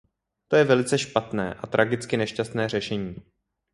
To je velice špatné a tragicky nešťastné řešení.